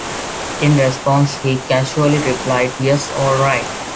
In response, he casually replied, Yes, all right.